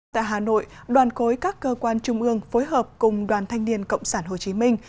tại hà nội đoàn khối các cơ quan trung ương phối hợp cùng đoàn thanh niên cộng sản hồ chí minh